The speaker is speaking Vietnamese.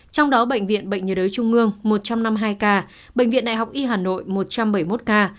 trong đó bệnh viện bệnh nhiệt đới trung ương một trăm năm mươi hai ca bệnh viện đại học y hà nội một trăm bảy mươi một ca